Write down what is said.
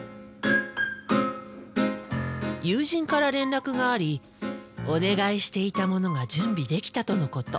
友人から連絡がありお願いしていたものが準備できたとのこと。